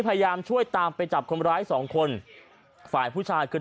พยายามช่วยตามไปจับคนร้ายสองคนฝ่ายผู้ชายคือ